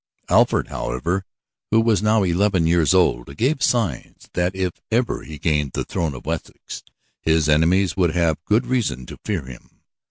Alfred, however, who was now eleven years old, gave signs that if ever he gained the throne of Wessex his enemies would have good reason to fear him.